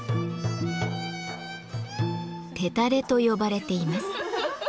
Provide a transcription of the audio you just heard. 「テタレ」と呼ばれています。